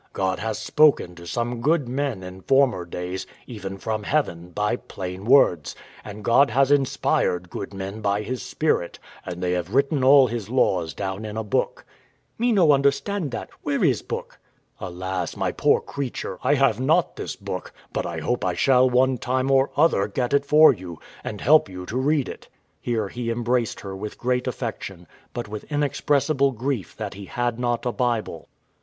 ] W.A. God has spoken to some good men in former days, even from heaven, by plain words; and God has inspired good men by His Spirit; and they have written all His laws down in a book. Wife. Me no understand that; where is book? W.A. Alas! my poor creature, I have not this book; but I hope I shall one time or other get it for you, and help you to read it. [Here he embraced her with great affection, but with inexpressible grief that he had not a Bible.